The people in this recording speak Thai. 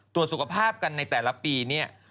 ตรวจสุขภาพกันในแต่ละปีเนี่ย